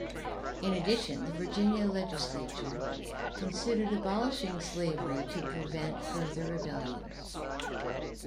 In addition, the Virginia legislature considered abolishing slavery to prevent further rebellions.